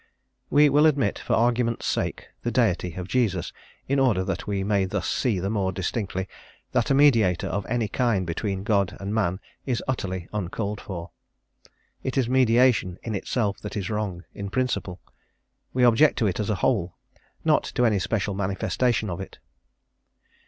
We will admit, for argument's sake, the Deity of Jesus, in order that we may thus see the more distinctly that a mediator of any kind between God and man is utterly uncalled for. It is mediation, in itself, that is wrong in principle; we object to it as a whole, not to any special manifestation of it.